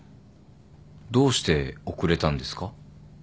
どうして遅れたんですか？